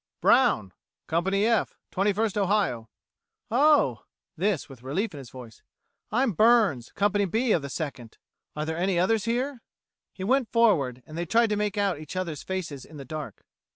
"Brown, Company F, Twenty first Ohio." "Oh," this with relief in his voice "I'm Burns, Company B, of the Second. Are there any others here?" He went forward and they tried to make out each other's faces in the dark.